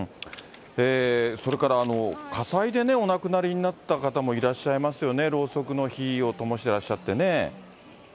それから、火災でお亡くなりになった方もいらっしゃいますよね、ろうそくの火をともしてらっしゃってね。